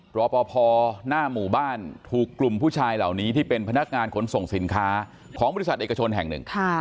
รอปภหน้าหมู่บ้านถูกกลุ่มผู้ชายเหล่านี้ที่เป็นพนักงานขนส่งสินค้าของบริษัทเอกชนแห่งหนึ่ง